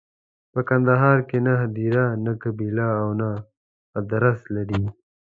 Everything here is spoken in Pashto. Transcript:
په کندهار کې نه هدیره، نه قبیله او نه ادرس لري.